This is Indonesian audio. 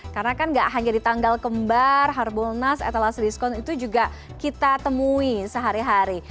karena kan gak hanya di tanggal kembar harbolnas etalas diskon itu juga kita temui sehari hari